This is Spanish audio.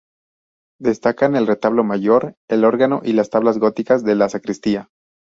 Destacan el retablo mayor, el órgano y las tablas góticas de la sacristía.